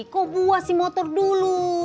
kok gue si motor dulu